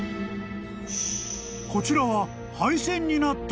［こちらは］